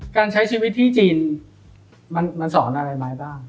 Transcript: การใช้ชีวิตที่จีนมันสอนอะไรไหมบ้าง